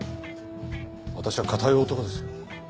私は堅い男ですよ。